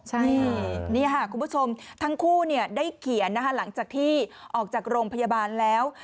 ใช่นี่ค่ะคุณผู้ชมทั้งคู่ได้เขียนนะคะหลังจากที่ออกจากโรงพยาบาลแล้ว